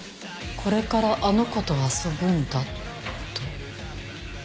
「これからあの子と遊ぶんだ」と。